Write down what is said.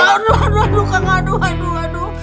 aduh aduh aduh kang aduh aduh